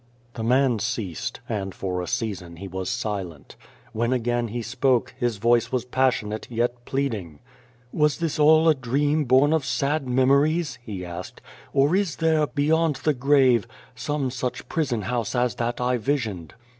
The man ceased, and for a season he was silent. When again he spoke, his voice was passionate, yet pleading. 121 The Face Beyond the Dooi " Was this all a dream, born of sad memories?" he asked, "or is there, beyond the grave, some such prison house as that I visioned